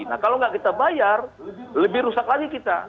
nah kalau nggak kita bayar lebih rusak lagi kita